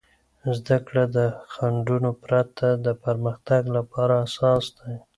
زده کړه د خنډونو پرته د پرمختګ لپاره اساس دی.